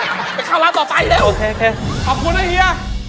ไปเข้าร้านต่อไปเร็วโอเคขอบคุณนะเฮีย